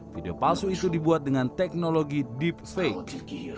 video palsu itu dibuat dengan teknologi deepfake